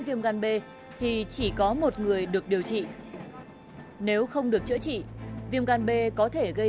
viêm gan b thì chỉ có một người được điều trị nếu không được chữa trị viêm gan b có thể gây